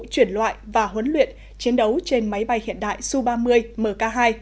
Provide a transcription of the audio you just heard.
chuyển loại và huấn luyện chiến đấu trên máy bay hiện đại su ba mươi mk hai